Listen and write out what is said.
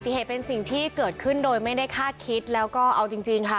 เหตุเป็นสิ่งที่เกิดขึ้นโดยไม่ได้คาดคิดแล้วก็เอาจริงค่ะ